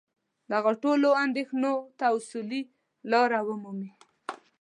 دغو ټولو اندېښنو ته اصولي لاره ومومي.